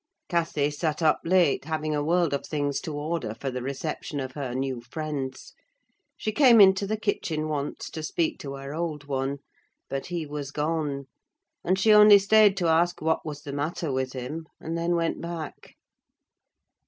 Cathy sat up late, having a world of things to order for the reception of her new friends: she came into the kitchen once to speak to her old one; but he was gone, and she only stayed to ask what was the matter with him, and then went back.